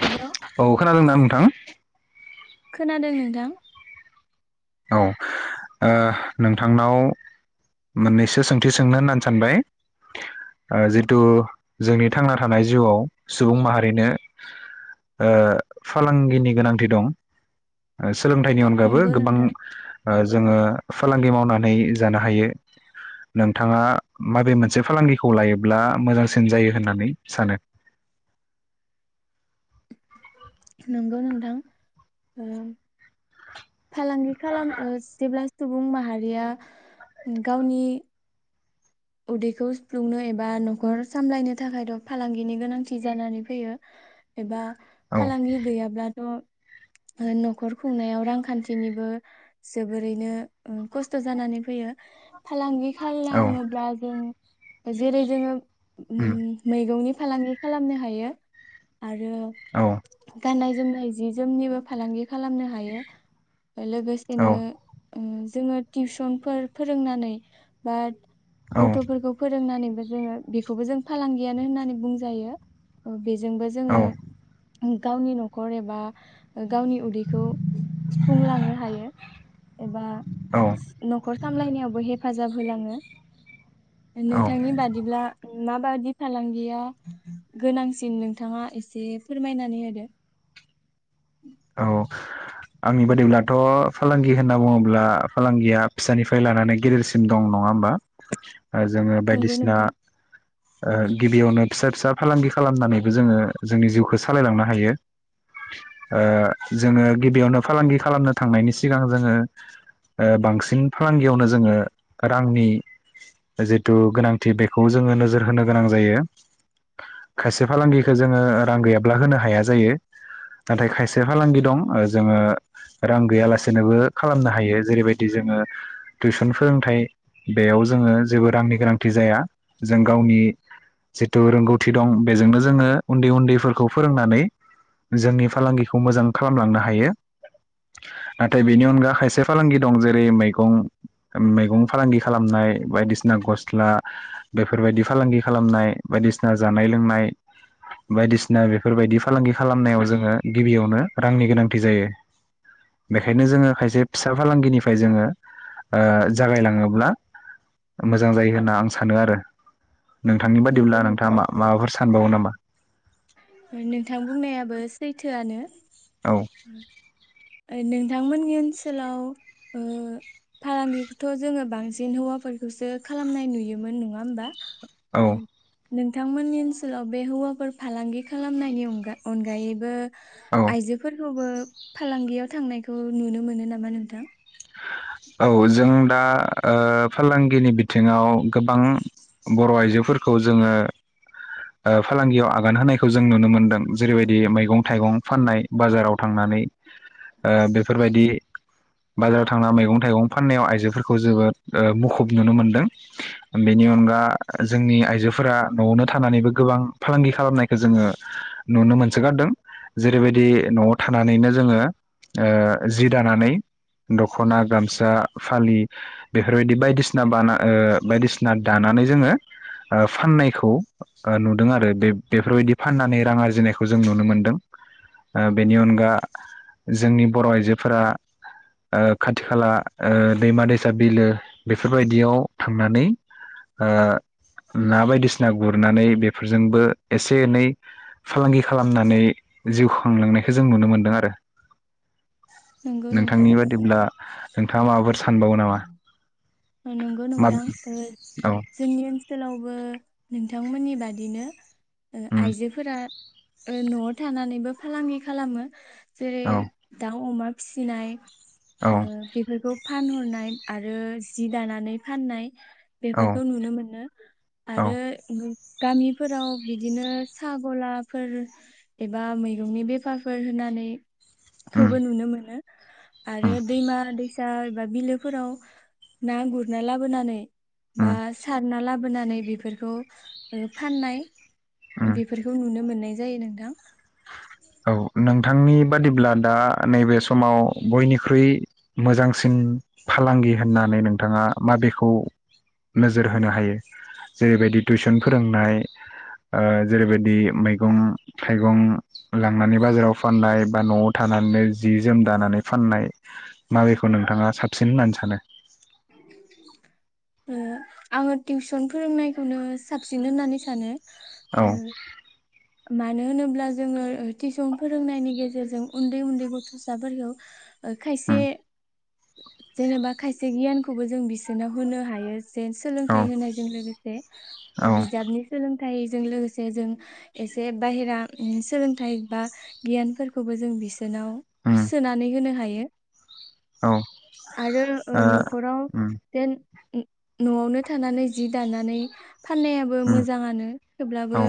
Hello औ खोनादोंदा नोंथां? खोनादों नोंथां । औ ओ नोंथांनाव मोननैसो सोंथि सोंनो होननानै सानबाय ओ जिथु जोंनि थांना थानाय जिउआव सुबुं माहारिनो ओ फालांगिनि गोनांथि दं ओ सोलोंथाइनि अनगाबो नंगौ गोबां नोंथां ओ जोङो फालांगि मावनानै जानो हायो नोंथाङा माबे मोनसे फालांगिखौ लायोब्ला मोजांसिन जायो होननानै सानो? नंगौ नोंथां ओ । फालांगि खालाम ओ जेब्ला सुबुं माहारिया गावनि उदैखौ सुफ्लुंनो एबा नखर सामलायनो थाखायथ' फालांगिनि गोनांथि जानानै फैयो एबा औ फालांगि गैयाब्लाथ' ओ न'खर खुंनायाव रांखान्थिनिबो जोबोरैनो ओ खस्थ जानानै फैयो फालांगि औ खालामोब आजों जेरै जोङो उम मैगंनि फालांगि खालामनो हायो आरो औ गाननाय जोमनाय जि जोमनिबो फालांगि खालामनो हायो । औ लोगोसेनो उम जोङो टिउसनफोर फोरोंनानै बा औ गथ'फोरखौ फोरोंनानै जोङो बेखौबो जों फालांगियानो होननानै बुंजायो ओम बेजोंबो जोङो औ गावनि न'खर एबा गावनि उदैखौ सुफुंलांनो हायो एबा न'खर सामलायनायावबो हेफाजाब होलाङो औ नोंथांनि बादिब्ला माबादि फालांगिया गोनांसिन नोंथाङा एसे फोरमायनानै होदो औ आंनि बादिब्लाथ फालांगि होनना बुङोब्ला फालांगिया फिसानिफ्राय लानानै गेदेरसिम दं नङा होमबा। जोङो नंगौ बायदिसिना नोंथां ओ गिबियावनो फिसा फिसा फालांगि खालामनानैबो जोङो जोंनि जिउखौ सालायलांनो हायो। ओ जोङो गिबियावनो फालांगि खालामनो थांनायनि सिगां जोङो ओ बांसिन फालांगियावनो जोङो रांनि जिथु गोनांथि बेखौ जोङो नोजोर होनो गोनां जायो खायसे फालांगिखौ जोङो रां गैयाब्ला होनो हाया जायो। नाथाय खायसे फालांगि दं जोङो रां गैयालासेनोबो खालामनो हायो जेरैबायदि जोङो टिउसन फोरोंथाइ बेयाव जोङो जेबो रांनि गोनांथि जाया जों गावनि जिथु रोंगौथि दं बेजोंनो जोङो उन्दै उन्दैफोरखौ फोरोंनानै जोंनि फालांगिखौ मोजां खालामलांनो हायो नाथाय बेनि अनगा खायसे फालांगि दं जेरै मैगं मैगं फालांगि खालामनाय बायदिसिना गस्ला बेफोरबायदि फालांगि खालामनाय बायदिसिना जानाय लोंनाय बायदिसिना बेफोरबायदि फालांगि खालामनायाव जोङो गिबियावनो रांनि गोनांथि जायो बेखायनो जोङो खायसे फिसा फालांगिनिफ्राय जोङो ओ जागायलाङोब्ला मोजां जायो होनना आं सानो आरो। नोंथांनि बादिब्ला नंगौ नोंथाङा नोंथां मा माबाफोर सानबावो नामा नोंथां बुंनायाबो सैथोआनो औ उम ओ नोंथांमोननि ओनसोलाव औ फालांगिखौथ जोङो बांसिन हौवाफोरखौसो खालामनाय नुयोमोन नङा होमबा? औ नोंथांमोननि ओनसोलाव बे हौवाफोर फालांगि खालामनायनि अनगा अनगायैबो औ आयजोफोरखौबो [inaudible] फालांगियाव थांनायखौ नुनो मोनो नामा नोंथां? औ जों दा ओ फालांगिनि बिथिङाव गोबां बर' आइजोफोरखौ जोङो फालांगियाव आगान होनायखौ जों नुनो मोनदों जेरैबायदि मैगं थाइगं फाननाय बाजाराव थांनानै ओ बेफोरबायदि बाजाराव थांना मैगं थाइगं फाननायाव आइजोफोरखौ जोबोद मुखुब नुनो मोनदों बेनि अनगा जोंनि आइजोफोरा नआवनो थानानैबो गोबां फालांगि खालामनायखौ जोङो नुनो मोनसोगारदों जेरैबायदि नआव थानानैनो जोङो जि दानानै दखना गामसा फालि बेफोरबायदि बायदिसिना बाना बायदिसिना दानानै जोङो फाननायखौ नुदों आरो बे बेफोरबायदि फाननानै रां आरजिनायखौ जों नुनो मोनदों। बेनि अनगा जोंनि बर' आइजोफोरा ओ खाथि खाला ओ दैमा दैसा बिलो बेफोरबायदियाव थांनानै ओ ना बायदिसिना गुरनानै बेफोरजोंबो एसे एनै फालांगि खालामनानै जिउ खांलांनायखौ जों नुनो मोनदों आरो। नंगौ नोंथां आ नंगौ मा नोंथां ओ औ जोंनि ओनसोलावबो नोंथांमोननि बादिनो उम आइजोफोरा ओ नआव थानानैबो फालांगि खालामो जेरै औ दाउ अमा फिसिनाय ओ बेफोरखौ फानहरनाय आरो जि दानानै फाननाय औ बेफोरखौ नुनो मोनो औ आरो गामिफोराव बिदिनो साहा गलाफोर एबा मैगंनि बेफारफोर होनानै उम खौबो नुनो मोनो आरो उम दैमा दैसा दा एबा बिलोफोराव ना गुरना लाबोनानै बा उम सारना लाब बोनानै बेफोरखौ ओ फाननाय उम बेफोरखौ नुनो मोननाय जायो नोंथां औ नोंथांनि बादिब्ला दा नैबे समाव बयनिख्रुइ मोजांसिन फालांगि होननानै नोंथाङा माबेखौ नोजोर होनो हायो जेरैबायदि टिुउसन फोरोंनाय ओ जेरैबायदि मैगं थाइगं। लांनानै बाजाराव फाननाय बा नआव थानानैनो जि जोम दानानै फाननाय माबैखौ नोंथाङा साबसिन होननानै सानो। आङो टिउसन फोरोंनायखौनो साबसिन होननानै सानो। औ ओ मानो होनोब्ला जोङो टिउसन फोरोंनायनि गेजेरजों उन्दै उन्दै गथसाफोरखौ ओ खायसे उम जेनेबा खायसे गियानखौबो जों बिसोरनाव होनो हायो जे औ सोलोंथाइ होनायजों लोगोसे औ बिजाबनि सोलोंथ फिथाय जों लोगोसे जों एसे बाहेरा सोलोंथाइ बा गियानफोरखौबो जों बिस जेनाव उम सोनानै होनो हायो [unintelligible] औ ओ आरो ओ नखराव उम जेन उ नआवनो थानानै जि दानानै। फाननायाबो उम मोजांङानो थेवब्लाबो औ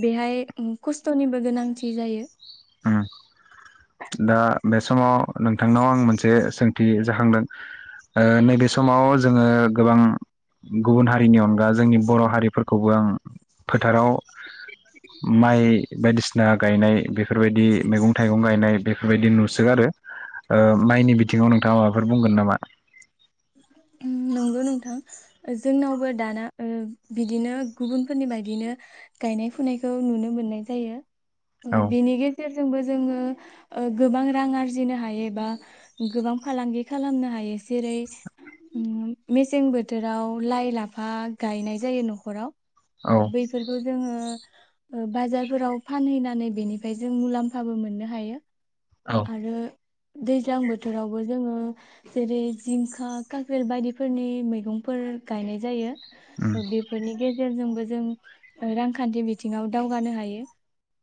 बेहाय खस्थनिबो गोनांथि जायो उम दा बे समाव नोंथांनाव आं मोनसे सोंथि जाखांदों ओ नैबे समाव जोंङो गोबां गुबुन हारिनि अनगा जोंनि बर हारिफोरखौबो आं फोथाराव माइ बायदिसिना गायनाय बे बेफोरबायदि मैगं थाइगं गायनाय बेफोरबायदि नुसोगारो ओ माइनि बिथिंङाव नोंथांङा माबाफोर बुंगोन नामा उम नंगौ नोंथां जोंनावबो दाना ओ बिदिनो गुबुनफोरनि बायदिनो गायनाय फुनायखौ नुनो मोननाय जायो। औ ओ बेनि गेजेर जोंबो जोंङो गोबां रां आरजिनो हायो बा गोबां फालांगि खालामनो हायो जेरै उम मेसें बोथोराव लाइ लाफा गायनाय जायो नखराव औ बैफोरखौ जोंङो ओ बाजारफोराव फानहैनानै बेनिफ्राय जों मुलाम्फाबो मोननो हायो। औ आरो दैज्लां बोथोरावबो जोंङो जेरै जिंखा काक्रेल बायदिफोरनि मैगंफोर गायनाय जायो। उम बेफोरनि गेजेरजोंबो जों रांखान्थि बिथिङाव दावगानो हायो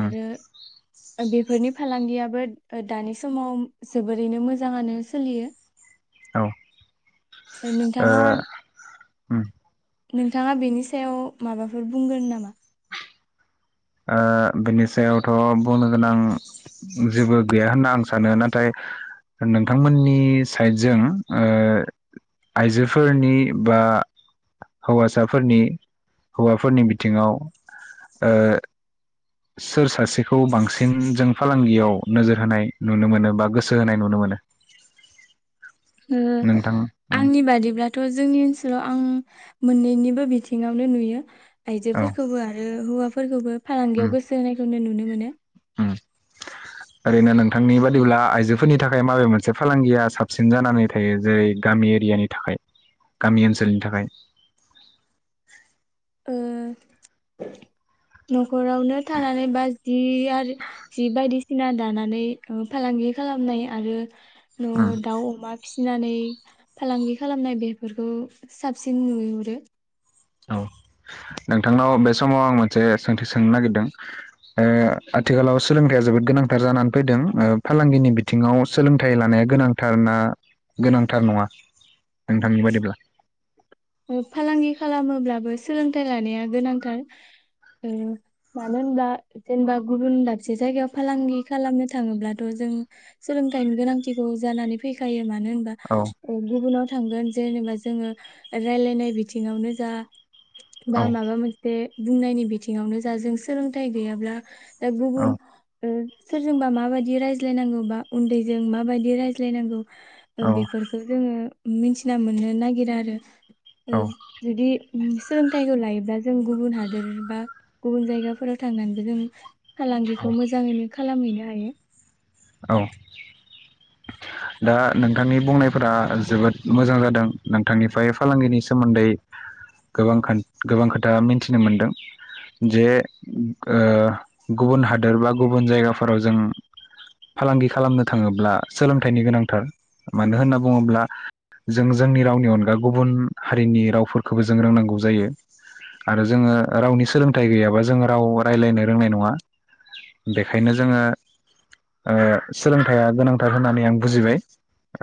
उम आरो बेफोरनि फालांगियाबो दानि समाव जोबोरैनो मोजाङानो सोलियो औ नोंथाङा उम नोंथाङा बेनि सायाव माबाफोर बुंगोन नामा? ओ बेनि सायावथ बुंनो गोनां जेबो गैया होनना आं सानो नाथाय नोंथांमोननि साइडजों ओ आइजोफोरनि बा हौवासाफोरनि हौवाफोरनि बिथिङाव ओ सोर सासेखौ बांसिन जों फालांगियाव नोजोर होनाय नुनो मोनो बा गोसो होनाय नुनो मोनो? ओ नोंथां उम आंनि बादिब्लाथ जोंनि ओनसोलाव आं मोननैनिबो बिथिङावनो नुयो। औ आयजोफोरखौबो आरो हौवा फो फोरखौबो। उम फालांगियाव गोसो होनायखौनो नुनो मोनो। उम ओरैनो नोंथांनि बादिब्ला आइजोफोरनि थाखाय माबे मोनसे फालांगिया साबसिन जानानै थायो जेरै गामि एरियानि थाखाय गामि ओनसोलनि थाखाय? ओ नखरावनो थानानै बा जि आरो जि बायदिसिना दानानै फालांगि खालामनाय आरो ओ उम दाउ अमा फि फिनानै फालांगि खालामनाय बेफोरखौ साबसिन नुहुरो। औ नोंथांनाव बे समाव आं मोनसे सोंथि सोंनो नागिरदों ओ आथिखालाव सोलोंथाइया जोबोद गोनांथार जानानै फैदों ओ फालांगिनि बिथिङाव सोलोंथाइ लानाया गोनांथारनाा गोनांथार नङा नोंथांनि बायदिब्ला? ओ फालांगि खालामोब्लाबो सोलोंथाइ लानाया गोनांथार ओ मानो होनबा जेनेबा गुबुन दाबसे जायगायाव फालांगि खालामनो थाङोब्लाथ जों सोलोंथाइनि गोनांथिखौ जानानै फैखायो। मानो होनबा औ ओ गुबुनाव थांगोन जेनेबा जोङो रायलायनाय बिथिङावनो जा बा औ माबा मोनसे बुंनायनि बिथिङावनो जा जों सोलोंथाइ गैयाब्ला दा गुबुगुन उम सोरजोंबा माबायदि रायज्लायनांगौ बा उन्दैजों माबायदि रायज्लायनांगौ औ बेफोरखौ जोङो मिथिना मोननो नागिरा आरो औ उम जुदि उम सोलोंथाइखौ लायोब्ला जों गुबुन हादोर बा गुबुन जायगाफोराव थांनानैबो जों औ फालांगिखौ मोजाङैनो खालामहैनो हायो। औ दा नोंथांनि बुंनायफोरा जोबोद मोजां जादों नोंथांनिफ्राय फालांगिनि सोमोन्दै गोबां गोबां खोथा मिथिनो मोनदों जे ओ गुबुन हादोर बा गुबुन जायगाफोराव जों फालांगि खालामनो थाङोब्ला सोलोंथाइनि गोनांथार । मानो होनना बुङोब्ला जों जोंनि रावनि अनगा गुबुन हारिनि रावफोरखौबो जों रोंनांगौ जायो आरो जोङो रावनि सोलोंथाइ गैयाबा जोङो राव रायज्लायनो रोंनाय नङा बेखायनो जोङो ओ सोलोंथाइया गोनांथार होननानै आं बुजिबाय।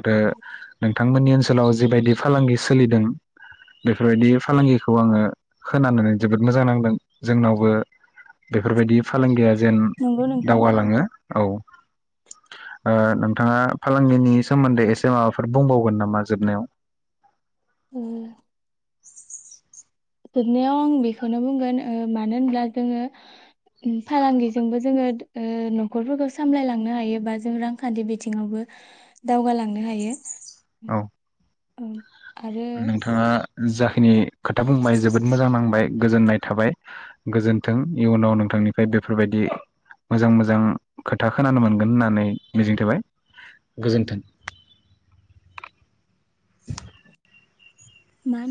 आरो नोंथां बिथांमोननि ओनसोलाव जिेबायदि फालांगि सोलिदों बेफोरबायदि फालांगिखौ आङो खोनानानै जोबोद मोजां नांदों जोंनावबो बेफोरबायदि फालांगिया जेन नंगौ नोंथां दावगालाङो औ। ओ नोंथाङा फालांगिनि सोमोन्दै एसे माबाफोर बुंबावगोन नामा जोबनायाव उम। [inaudible] जोबनायाव आं बेखौनो बुंगोन ओ मानो होनब्ला जोङो फालांगिजोंबो जोङो ओ नखरफोरखौ सामलायलांनो हायो बा जों रांखान्थि बिथिङावबो दावगालांनो हायो। औ। ओं। नोंथाङा जा खिनि खोथा बुंबाय जोबोद मोजां नांबाय गोजोननाय थाबाय। गोजोन्थों इयुनाव नोंथांनिफ्राय बेफोरबायदि मोजां मोजां खोथा खोनानो मोनगोन होननानै मिजिं थाबाय गोजोन्थों। मा